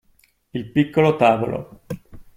Il piccolo tavolo.